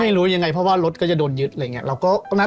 ไม่รู้ยังไงเพราะว่ารถก็จะโดนยึดอะไรอย่างนี้